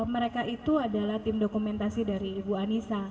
mereka itu adalah tim dokumentasi dari ibu anissa